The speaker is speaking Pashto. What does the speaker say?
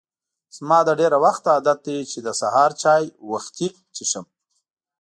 زما له ډېر وخته عادت دی چې سهار چای په وخته څښم.